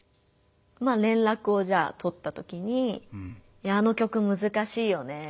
まあ連絡をじゃあ取ったときに「あの曲むずかしいよね。